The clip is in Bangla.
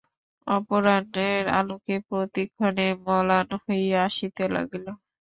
অপরাহ্নের আলোক প্রতিক্ষণে মলান হইয়া আসিতে লাগিল।